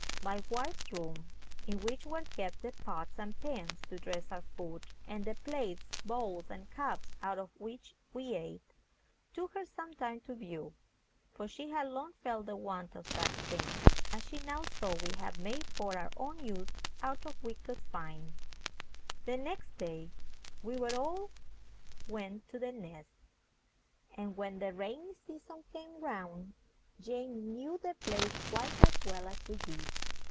My wife's room, in which were kept the pots and pans to dress our food, and the plates, bowls, and cups, out of which we ate, took her some time to view; for she had long felt the want of such things as she now saw we had made for our own use out of what we could find. The next day we all went to The Nest, and when the rainy season came round, Jane knew the place quite as well as we did.